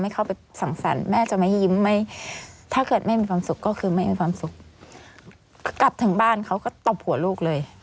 กลับถึงบ้านเขาก็ตบหัวลูกเลย